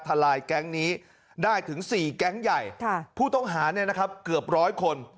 ทารายแก๊งนี้ได้ถึง๔แก๊งใหญ่ผู้ต้องหาเนี่ยนะครับเกือบร้อยคน